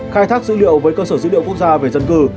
khai thác dữ liệu với cơ sở dữ liệu quốc gia về dân cư